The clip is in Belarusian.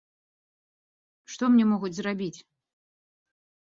Што мне могуць зрабіць?